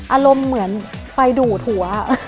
อารมณ์เหมือนไฟดูดหัว